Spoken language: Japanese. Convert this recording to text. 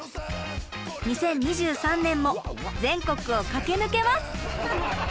２０２３年も全国を駆け抜けます！